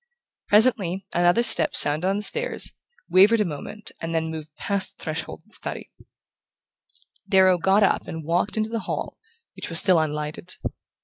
Presently another step sounded on the stairs, wavered a moment and then moved past the threshold of the study. Darrow got up and walked into the hall, which was still unlighted.